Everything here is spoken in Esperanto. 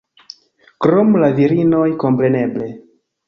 Krom la virinoj, kompreneble